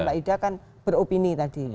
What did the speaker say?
mbak ida kan beropini tadi